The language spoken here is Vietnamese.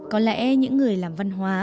có lẽ những người làm văn hóa